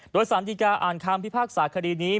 โดยสารดีการอ่านคำพิพากษาคดีนี้